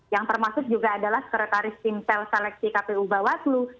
yang termasuk juga adalah sekretaris timsel seleksi kpu bawaslu